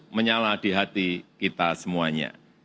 menyala di hati kita semuanya